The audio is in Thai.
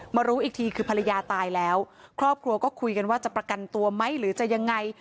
รู้อีกทีคือภรรยาตายแล้วครอบครัวก็คุยกันว่าจะประกันตัวไหมหรือจะยังไง